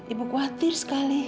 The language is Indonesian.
ibu khawatir sekali